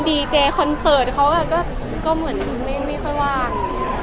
ดีเจคอนเสิร์ตเขาก็เหมือนไม่ค่อยว่าง